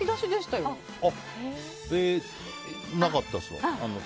私はなかったですわ。